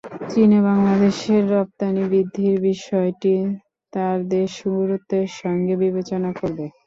চীনে বাংলাদেশের রপ্তানি বৃদ্ধির বিষয়টি তাঁর দেশ গুরুত্বের সঙ্গে বিবেচনা করবে।